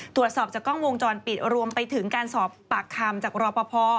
ตรวจสอบจากกล้องมูลกรรมตอนปิดรวมไปถึงการเสบียงปากคำจากรอปภ